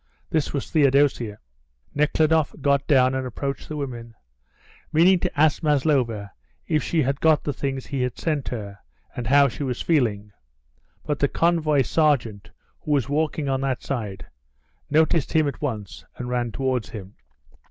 This was Theodosia. Nekhludoff got down and approached the women, meaning to ask Maslova if she had got the things he had sent her, and how she was feeling, but the convoy sergeant, who was walking on that side, noticed him at once, and ran towards him.